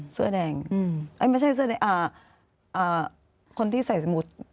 เสื้อแดงไม่ใช่เสื้อคนที่ใส่สมุด